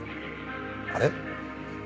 あれ？